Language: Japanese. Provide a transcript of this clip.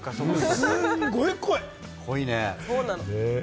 すんごい濃い。